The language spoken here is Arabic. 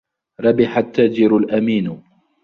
رَبِحَ التَّاجِرُ الْأَمينُ.